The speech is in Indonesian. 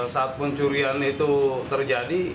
saat pencurian itu terjadi